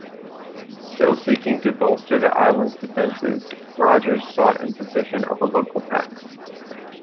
Still seeking to bolster the island's defences, Rogers sought imposition of a local tax.